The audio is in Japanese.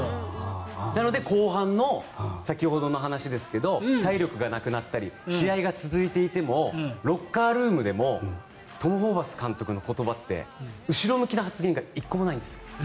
なので、後半の先ほどの話ですけど体力がなくなったり試合が続いていてもロッカールームでもトム・ホーバス監督の言葉って後ろ向きな発言が１個もないんですよ。